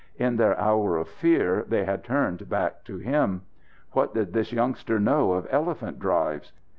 In their hour of fear they had turned back to him. What did this youngster know of elephant drives?